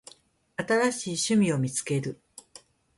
新しい趣味を見つける